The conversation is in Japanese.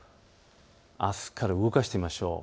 あすから動かしてみましょう。